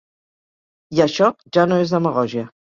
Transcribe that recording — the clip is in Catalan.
I això ja no és demagògia.